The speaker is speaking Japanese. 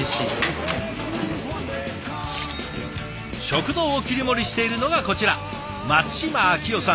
食堂を切り盛りしているのがこちら松島秋代さん